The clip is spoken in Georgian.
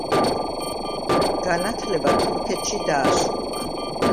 განათლება თურქეთში დაასრულა.